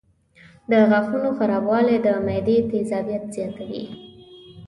د غاښونو خرابوالی د معدې تیزابیت زیاتوي.